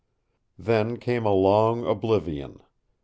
Then came a long oblivion.